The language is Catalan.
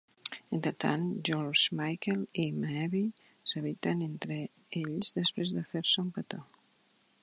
Entretant, George Michael i Maeby s'eviten entre ells després de fer-se un petó.